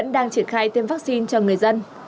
đã tiêm vắc xin cho người dân